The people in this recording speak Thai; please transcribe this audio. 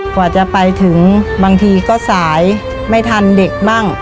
กว่าจะไปถึงบางทีก็สายไม่ทันเด็กบ้าง